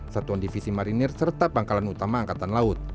satuan divisi marinir serta pangkalan utama angkatan laut